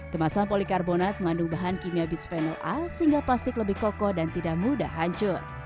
kemasan polikarbonat mengandung bahan kimia bisphenol a sehingga plastik lebih kokoh dan tidak mudah hancur